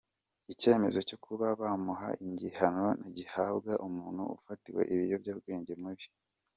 icyemezo cyo kuba bamuha igihano gihabwa umuntu ufatanwe ibiyobyabwenge muri.